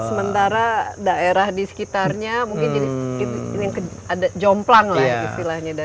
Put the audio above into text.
sementara daerah di sekitarnya mungkin jadi ada jomplang lah istilahnya